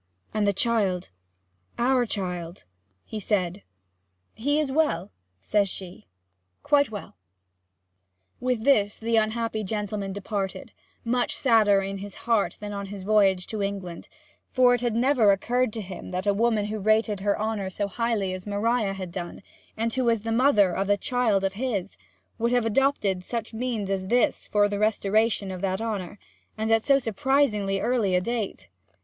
'And the child our child?' he said. 'He is well,' says she. 'Quite well.' With this the unhappy gentleman departed, much sadder in his heart than on his voyage to England; for it had never occurred to him that a woman who rated her honour so highly as Maria had done, and who was the mother of a child of his, would have adopted such means as this for the restoration of that honour, and at so surprisingly early a date.